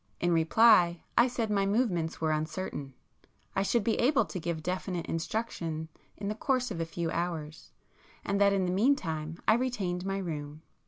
In reply I said my movements were uncertain,—I should be able to give definite instructions in the course of a few hours, and that in the meantime I retained my room.